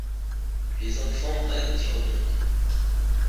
Les enfants rêves d'y retourner.